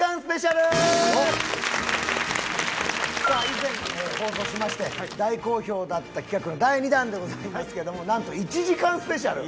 以前放送しまして大好評だった企画の第２弾でございますけどもなんと１時間スペシャル！